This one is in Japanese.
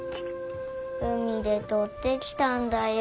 海でとってきたんだよ。